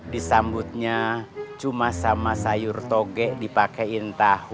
disambutnya cuma sama sayur toge dipakaiin tahu